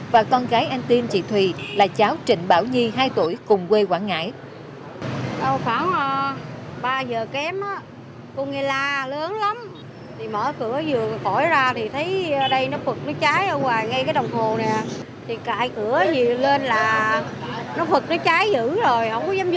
và con gái anh tin chị thùy là cháu trịnh bảo nhi hai tuổi cùng quê quảng ngãi